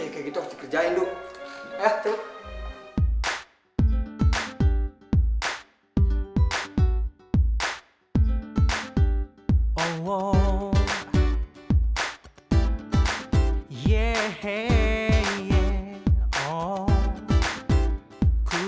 kasih ya minggu